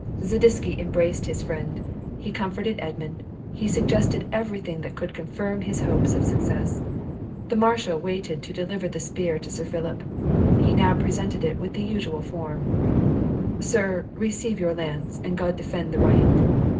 Zadisky embraced his friend, he comforted Edmund, he suggested every thing that could confirm his hopes of success. The marshal waited to deliver the spear to Sir Philip; he now presented it with the usual form. "Sir, receive your lance, and God defend the right!"